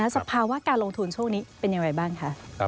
สภาวะการลงทุนช่วงนี้เป็นอย่างไรบ้างคะ